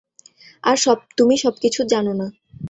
আর তুমি সবকিছু জানো না।